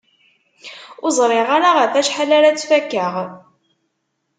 Ur ẓriɣ ara ɣef wacḥal ara tt-fakeɣ!